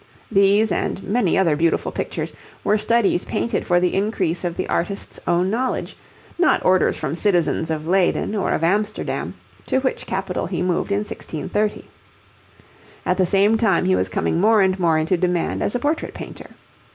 These, and many other beautiful pictures, were studies painted for the increase of the artist's own knowledge, not orders from citizens of Leyden, or of Amsterdam, to which capital he moved in 1630. At the same time he was coming more and more into demand as a portrait painter.